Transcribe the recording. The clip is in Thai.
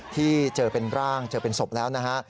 ที่เจอเป็นร่างเจอเป็นศพแล้วนะฮะ